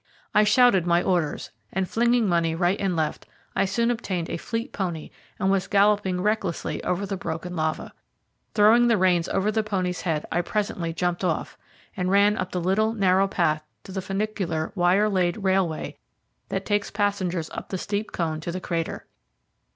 I shouted my orders, and flinging money right and left, I soon obtained a fleet pony, and was galloping recklessly over the broken lava. Throwing the reins over the pony's head I presently jumped off, and ran up the little, narrow path to the funicular wire laid railway that takes passengers up the steep cone to the crater.